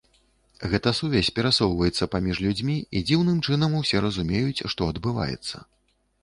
Гэта сувязь перасоўваецца паміж людзьмі, і дзіўным чынам усе разумеюць, што адбываецца.